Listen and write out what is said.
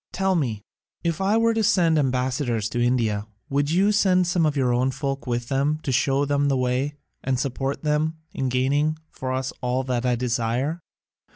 Tell me, if I were to send ambassadors to India, would you send some of your own folk with them to show them the way, and support them in gaining for us all that I desire?